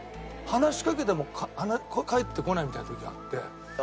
話しかけても返ってこないみたいな時があって。